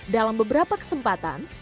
dalam beberapa kesempatan